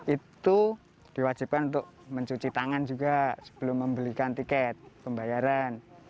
itu diwajibkan untuk mencuci tangan juga sebelum membelikan tiket pembayaran